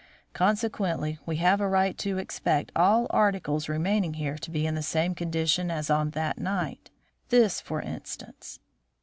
Consequently we have a right to expect all articles remaining here to be in the same condition as on that night. This, for instance."